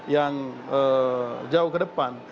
yang jauh ke depan